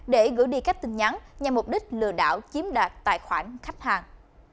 để gửi đi các tin nhắn nhằm mục đích lừa đảo chiếm đoạt tài khoản khách hàng